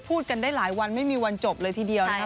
พูดกันได้หลายวันไม่มีวันจบเลยทีเดียวนะครับ